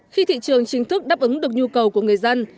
khi thị trường chính thức đáp ứng được nhu cầu của người dân